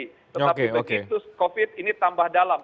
tetapi begitu covid ini tambah dalam